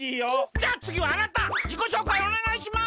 じゃあつぎはあなたじこしょうかいおねがいします！